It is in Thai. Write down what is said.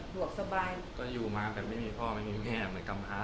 ยายเป็นคืนเรียงส่งเงินมาให้